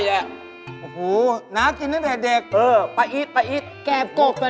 แล้วน้ำแข็งใสไปเลี้ยงเพื่อน